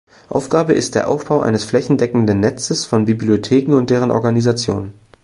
Aufgabe ist der Aufbau eines flächendeckendes Netzes von Bibliotheken und deren Organisation.